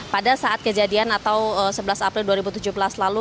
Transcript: pada saat kejadian atau sebelas april dua ribu tujuh belas lalu